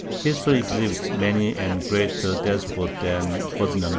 History exhibits many and greater despots than Ferdinand II.